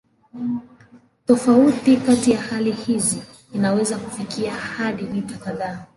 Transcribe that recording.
Tofauti kati ya hali hizi inaweza kufikia hadi mita kadhaa.